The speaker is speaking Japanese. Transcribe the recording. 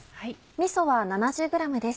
みそは７０ｇです。